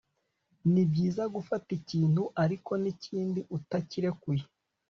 ni byiza gufata ikintu ariko n'ikindi utakirekuye